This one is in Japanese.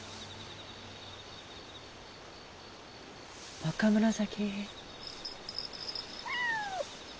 若紫。